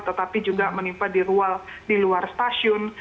tetapi juga menimpa di luar stasiun